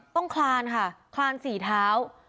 คลานค่ะคลานสี่เท้า